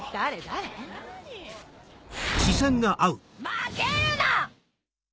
・負けるな！